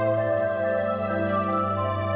ก็เป็นคาโรงพบาททุกชาติไป